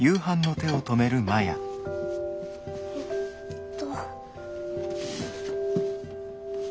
えっと。